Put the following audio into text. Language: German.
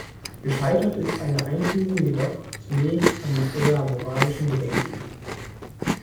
Gescheitert ist eine Einführung jedoch zunächst an eher moralischen Bedenken.